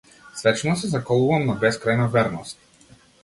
Свечено се заколнувам на бескрајна верност.